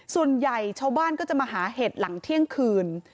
ส่วนใหญ่ชาวบ้านก็จะมาหาเห็ดหลังเที่ยงคืน